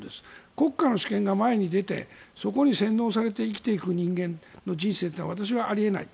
国家の主権が前に出てそこに洗脳されて生きていく人間の人生は私はあり得ない。